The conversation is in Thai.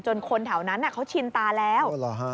คนแถวนั้นเขาชินตาแล้ว